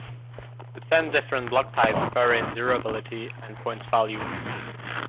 The ten different block types vary in durability and points value.